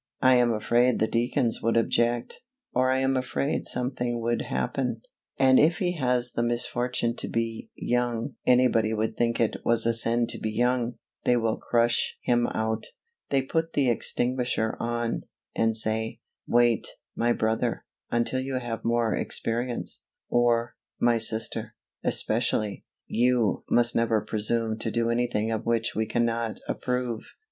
I am afraid the deacons would object, or I am afraid something would happen;" and if he has the misfortune to be young (anybody would think it was a sin to be young), they will "crush" him out; they put the extinguisher on, and say, "Wait, my brother, until you have more experience," or, "my sister," especially, "you must never presume to do anything of which we cannot approve!"